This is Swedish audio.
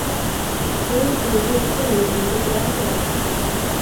Så just nu dyrkar ni en bedragare.